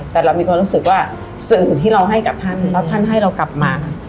แต่เรามีความรู้สึกว่าสื่อที่เราให้กับท่านแล้วท่านให้เรากลับมา